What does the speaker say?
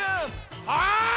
はい！